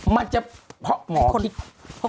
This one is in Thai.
คุณหนุ่มกัญชัยได้เล่าใหญ่ใจความไปสักส่วนใหญ่แล้ว